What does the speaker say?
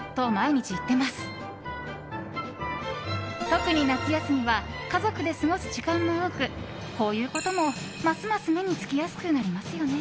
特に夏休みは家族で過ごす時間も多くこういうことも、ますます目につきやすくなりますよね。